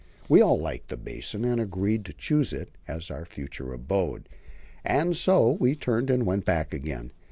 We all liked the basin, and agreed to choose it as our future abode, And so we turned and went back again.